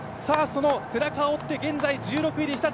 その背中を追って現在１６位に日立。